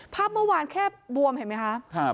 ภาพเมื่อวานแค่บวมเห็นไหมคะ